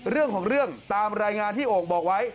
เรื่องของเรื่องตามรายงานที่โอ่งบอกไว้